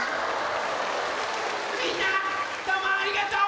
みんなどうもありがとう！